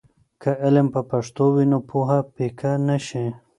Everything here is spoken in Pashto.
که علم په پښتو وي، نو پوهه پیکه نه شي.